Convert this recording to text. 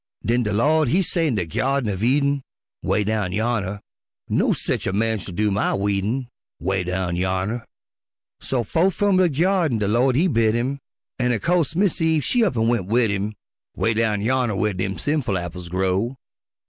Den de Lawd He say in de Gyardin uv Eden, ('Way down yonner) "No sech a man shell do my weedin'," ('Way down yonner) So fo'th f'um de Gyardin de Lawd He bid him, An' o' co'se Mis' Eve she up an' went wid him, 'Way down yonner whar dem sinful apples grow.